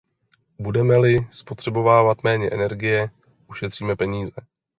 Budeme-li spotřebovávat méně energie, ušetříme peníze.